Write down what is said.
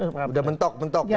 sudah mentok mentok